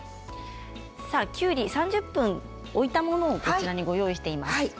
きゅうり、３０分置いたものをご用意しています。